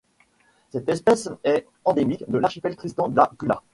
Cette espèce est endémique de l'archipel Tristan da Cunha.